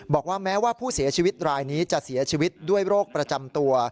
บอกว่าแม้ว่าผู้เสียชีวิตรายนี้จะเสียชีวิตด้วยโรคประจำตัว